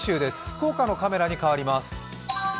福岡のカメラに変わります。